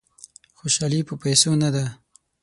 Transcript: خوشالي په پیسو نه ده.